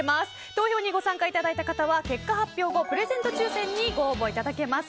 投票にご参加いただいた方は結果発表後、プレゼント抽選にご応募いただけます。